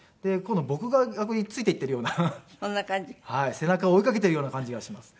背中を追い掛けているような感じがしますね。